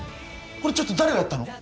これちょっと誰がやったの？